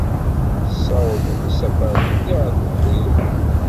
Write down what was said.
Tessaweḍ isafaren-nni ɣer wegrir.